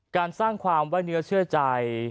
การสร้างความไว้เนื้อเชื่อใจ